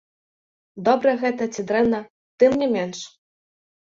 Добра гэта ці дрэнна, тым не менш.